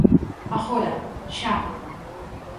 Agora, xa.